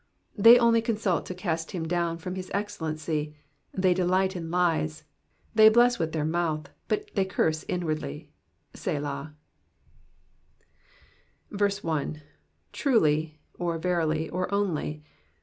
4 They only consult to cast him down from his excellency : they delight in lies: they bless with their mouth, but they curse inwardly. Selah. 1. rrwZy," or verily, or only.